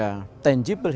living heritage adalah